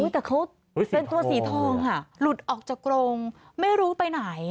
แต่เขาเป็นตัวสีทองค่ะหลุดออกจากกรงไม่รู้ไปไหน